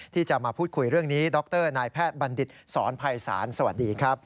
ที่จะมาพูดคุยเรื่องนี้ดรนายแพทย์บัณฑิตสอนภัยศาลสวัสดีครับ